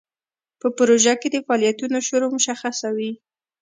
په پروژه کې د فعالیتونو شروع مشخصه وي.